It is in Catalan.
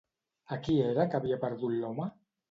A qui era que havia perdut l'home?